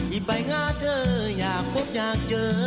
อีบายงาเธออยากพบอยากเจอ